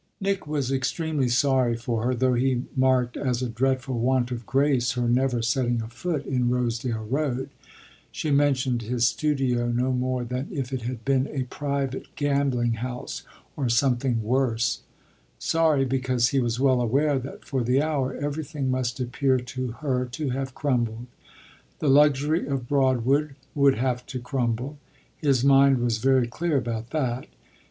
Nick was extremely sorry for her, though he marked as a dreadful want of grace her never setting a foot in Rosedale Road she mentioned his studio no more than if it had been a private gambling house or something worse; sorry because he was well aware that for the hour everything must appear to her to have crumbled. The luxury of Broadwood would have to crumble: his mind was very clear about that.